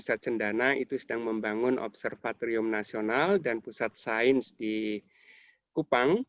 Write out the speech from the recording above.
dan tujuan utamanya adalah pengembangan observatorium nasional dan pusat sains di kupang